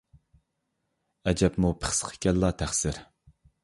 ئەجەبمۇ پىخسىق ئىكەنلا، تەقسىر.